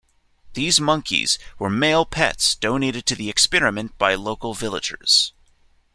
These monkeys were male pets, donated to the experiment by local villagers.